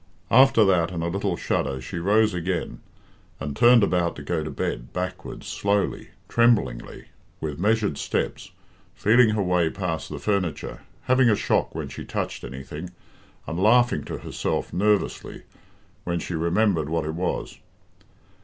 After that and a little shudder she rose again, and turned about to go to bed, backwards, slowly, tremblingly, with measured steps, feeling her way past the furniture, having a shock when she touched anything, and laughing to herself, nervously, when she remembered what it was.